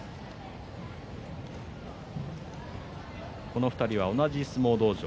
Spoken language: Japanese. この２人は同じ相撲道場